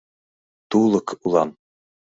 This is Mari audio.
— Тулык улам...